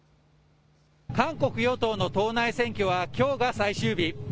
韓国与党の党内選挙はきょうが最終日。